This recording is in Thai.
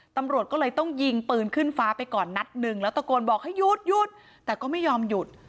ตำรวจก็เลยต้องยิงปืนขึ้นฟ้าไปก่อนนัดหนึ่งแล้วตะโกนบอกให้หยุดหยุดแต่ก็ไม่ยอมหยุด